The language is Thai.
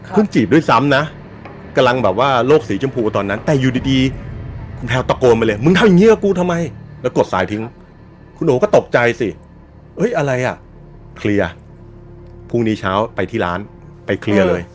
เพิ่งจีบด้วยซ้ำนะกำลังแบบว่าโลกสีจำพูตอนนั้นแต่